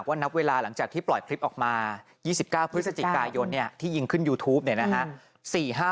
นับเวลาหลังจากที่ปล่อยคลิปออกมา๒๙พฤศจิกายนที่ยิงขึ้นยูทูปเนี่ยนะฮะ